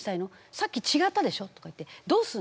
さっき違ったでしょう」とかいって「どうするの？